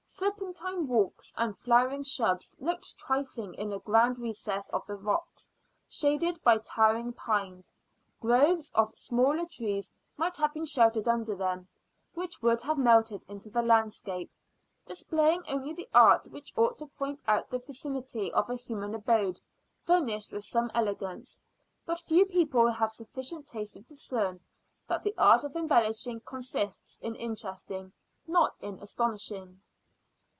Serpentine walks, and flowering shrubs, looked trifling in a grand recess of the rocks, shaded by towering pines. Groves of smaller trees might have been sheltered under them, which would have melted into the landscape, displaying only the art which ought to point out the vicinity of a human abode, furnished with some elegance. But few people have sufficient taste to discern, that the art of embellishing consists in interesting, not in astonishing.